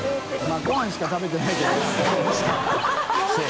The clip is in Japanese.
まぁご飯しか食べてないけど。